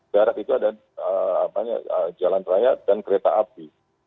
darat itu ada jalan raya dan kereta api